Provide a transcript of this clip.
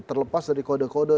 terlepas dari kode kode